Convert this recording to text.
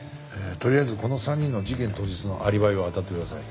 とりあえずこの３人の事件当日のアリバイをあたってください。